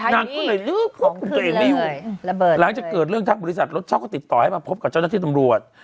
นางขึ้นเลยขึ้นขึ้นเลยระเบิดเลยหลังจากเกิดเรื่องทางบริษัทรถช้าก็ติดต่อให้มาพบกับเจ้านักที่ตำรวจ